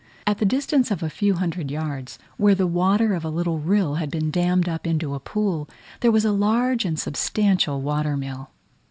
At the distance of a few hundred yards, where the water of a little rill had been dammed up into a pool, there was a large and substantial water mill.